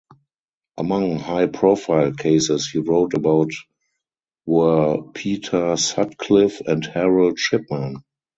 Among high profile cases he wrote about were Peter Sutcliffe and Harold Shipman.